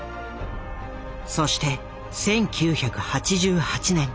そして１９８８年。